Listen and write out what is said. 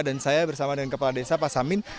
dan saya bersama dengan kepala desa pak samin